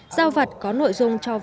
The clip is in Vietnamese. giao vặt có nội dung cho các đối tượng